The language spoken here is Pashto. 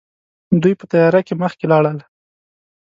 دوی په تياره کې مخکې لاړل.